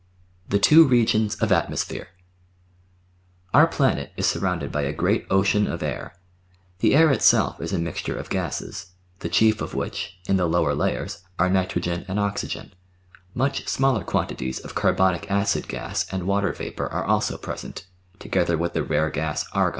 The Two Regions of Atmosphere Our planet is surrounded by a great ocean of air. The air itself is a mixture of gases, the chief of which, in the lower layers, are nitrogen and oxygen; much smaller quantities of carbonic acid gas and water vapour are also present, together with the rare gas argon.